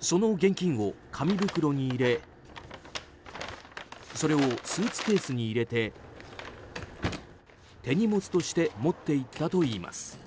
その現金を紙袋に入れそれをスーツケースに入れて手荷物として持って行ったといいます。